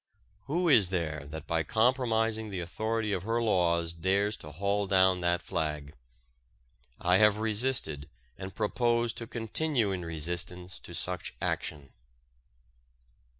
Who is there that by compromising the authority of her laws dares to haul down that flag? I have resisted and propose to continue in resistance to such action.